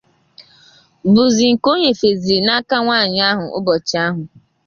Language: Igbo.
bụzị nke o nyefèzịrị n'aka nwaanyị ahụ ụbọchị ahụ.